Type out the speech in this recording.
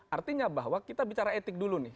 artinya bahwa kita bicara etik dulu nih